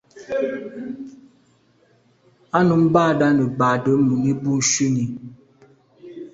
Á nǔm bâdə̀ á nə̀ bàdə̌ mùní bû shúnì.